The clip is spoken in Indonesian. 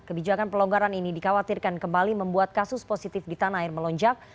kebijakan pelonggaran ini dikhawatirkan kembali membuat kasus positif di tanah air melonjak